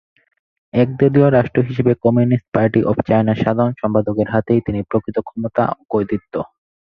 একদলীয় রাষ্ট্র হিসেবে কম্যুনিস্ট পার্টি অব চায়নার সাধারণ সম্পাদকের হাতেই থাকে প্রকৃত ক্ষমতা ও কর্তৃত্ব।